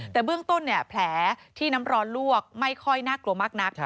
แต่เบื้องต้นแผลที่น้ำร้อนลวกไม่ค่อยน่ากลัวมากนัก